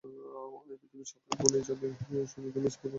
এই পৃথিবীর সবাই ভুলে যাবে যে তুমি স্পাইডার-মান, তোমার গার্লফ্রেন্ড বাদে।